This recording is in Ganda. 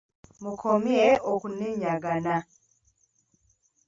Mukomye okunenyagana.